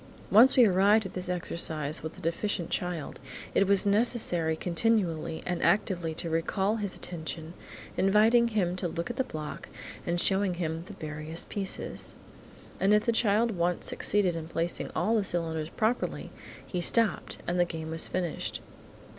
Once we arrived at this exercise with a deficient child, it was necessary continually and actively to recall his attention, inviting him to look at the block and showing him the various pieces. And if the child once succeeded in placing all the cylinders properly, he stopped, and the game was finished.